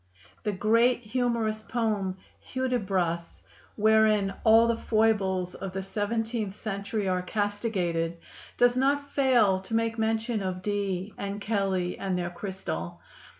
The great humorous poem "Hudibras," wherein all the foibles of the seventeenth century are castigated, does not fail to make mention of Dee and Kelley and their crystal.